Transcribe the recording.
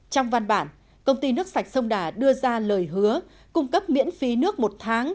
trong văn bản công ty nước sạch sông đà đưa ra lời hứa cung cấp miễn phí nước một tháng